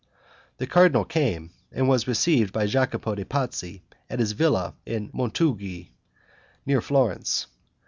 The cardinal came, and was received by Jacopo de' Pazzi at his villa of Montughi, near Florence.